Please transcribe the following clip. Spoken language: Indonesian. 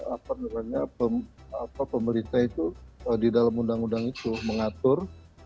apa namanya pemerintah itu di dalam undang undang itu mengatur